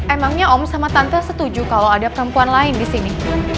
emangnya om sama tante setuju kalau ada perempuan lain di sini